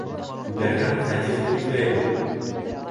Күтәрһәң, Фәтихте бикләйбеҙ!